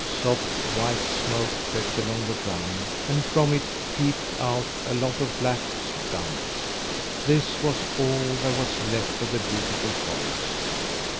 Soft white smoke crept along the ground, and from it peeped out a lot of black stumps. This was all there was left of the beautiful forest!